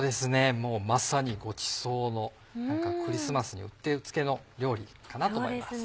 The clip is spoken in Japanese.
もうまさにごちそうのクリスマスにうってつけの料理かなと思います。